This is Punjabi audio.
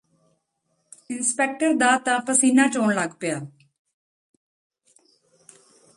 ਇੰਨਸਪੈਕਟਰ ਦਾ ਤਾਂ ਪਸੀਨਾ ਚੋਣ ਲੱਗ ਪਿਆ